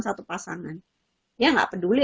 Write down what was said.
satu pasangan ya nggak peduli